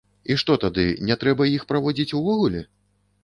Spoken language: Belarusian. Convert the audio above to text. І што тады, не трэба іх праводзіць увогуле?